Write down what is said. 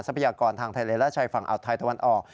พยากรทางทะเลและชายฝั่งอ่าวไทยตะวันออก